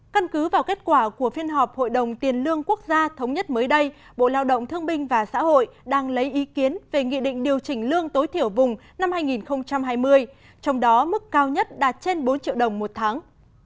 căn cứ vào kết quả của phiên họp hội đồng tiền lương quốc gia thống nhất mới đây bộ lao động thương binh và xã hội đang lấy ý kiến về nghị định điều chỉnh lương tối thiểu vùng năm hai nghìn hai mươi trong đó mức cao nhất đạt trên bốn triệu đồng một tháng